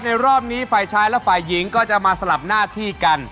ในรอบนี้สใฟชายและสใฟหญิงจะมาสลับหน้าที่กัน